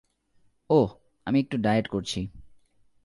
ওহ, আমি একটু ডায়েট করছি।